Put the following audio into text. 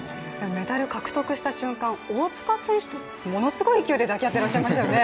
メダル獲得した瞬間、大塚選手とものすごい勢いで抱き合っていましたよね。